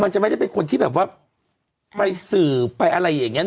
จะไม่ได้เป็นคนที่แบบว่าไปสื่อไปอะไรอย่างนี้